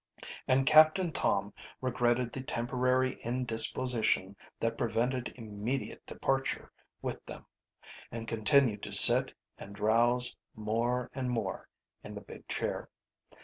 And Captain Tom regretted the temporary indisposition that prevented immediate departure with them, and continued to sit and drowse more and more in the big chair.